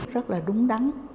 rất là đúng đắn